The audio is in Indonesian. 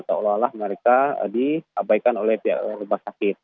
seolah olah mereka diabaikan oleh pihak rumah sakit